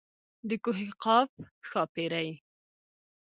د کوه قاف ښاپېرۍ.